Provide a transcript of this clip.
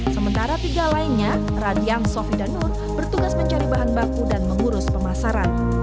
sementara tiga lainnya radiam sofi dan nur bertugas mencari bahan baku dan mengurus pemasaran